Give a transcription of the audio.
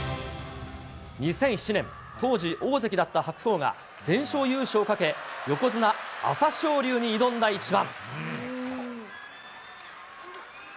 ２００７年、当時、大関だった白鵬が全勝優勝をかけ、横綱・朝青龍に挑んだ一番。